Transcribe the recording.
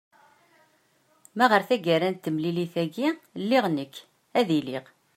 ma ɣer tagara n temlilit-agi lliɣ nekk ad iliɣ